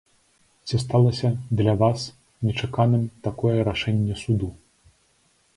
Ці сталася для вас нечаканым такое рашэнне суду?